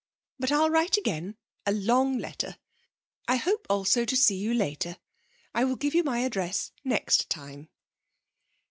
But I'll write again, a long letter. I hope also to see you later. I will give you my address next time.